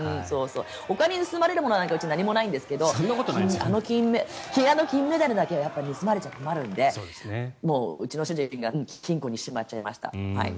ほかに盗まれるものなんかうちにはないんですけど金メダルだけは盗まれちゃ困るのでうちの主人が金庫にしまっちゃいました。